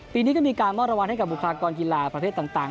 ปีนี้ก็มีการมอบรางวัลให้กับบุคลากรกีฬาประเภทต่าง